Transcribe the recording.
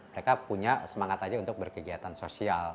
mereka punya semangat aja untuk berkegiatan sosial